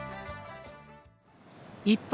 一方